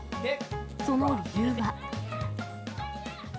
その理由は。